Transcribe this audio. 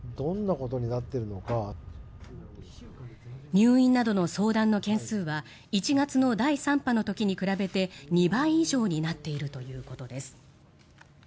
入院などの相談の件数は１月の第３波の時に比べて２倍以上になっているということです。